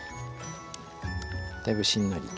だいぶしんなりと。